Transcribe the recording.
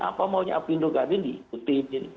apa maunya apindo gadil diikuti